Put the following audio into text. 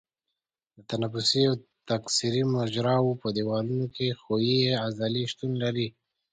د تنفسي او تکثري مجراوو په دیوالونو کې ښویې عضلې شتون لري.